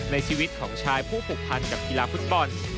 ในชีวิตของชายผู้ผูกพันกับกีฬาฟุตบอล